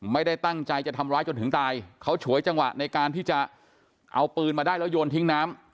ไม่ได้ตั้งใจจะทำร้ายจนถึงตายเขาฉวยจังหวะในการที่จะเอาปืนมาได้แล้วโยนทิ้งน้ำ